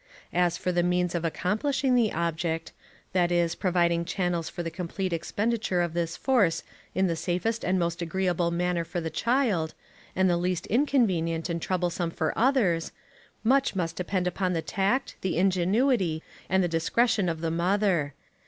As for the means of accomplishing the object that is, providing channels for the complete expenditure of this force in the safest and most agreeable manner for the child, and the least inconvenient and troublesome for others, much must depend upon the tact, the ingenuity, and the discretion of the mother.